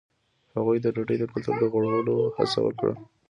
هغوی د ډوډۍ د کلتور د غوړولو هڅه وکړه.